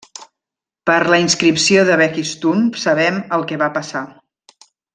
Per la inscripció de Behistun, sabem el que va passar.